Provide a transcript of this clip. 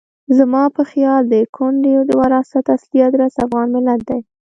زما په خیال د کونډې د وراثت اصلي ادرس افغان ملت دی.